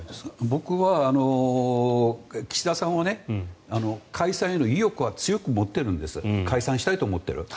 僕は、岸田さんは解散への意欲は強く持ってるんです解散したいと思っている。